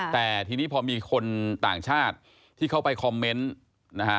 แต่ทีนี้พอมีคนต่างชาติที่เข้าไปคอมเมนต์นะฮะ